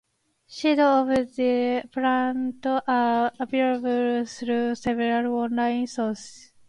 Seeds of the plant are available through several online sources.